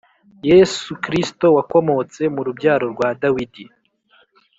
Yessu Kristo wakomotse murubyaro rwa Dawidi